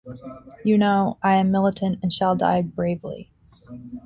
You know, I am militant and shall die bravely.